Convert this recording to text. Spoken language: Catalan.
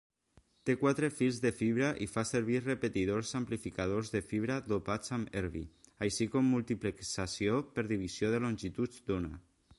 Té quatre fils de fibra i fa servir repetidors amplificadors de fibra dopats amb erbi, així com multiplexació per divisió de longituds d'ona.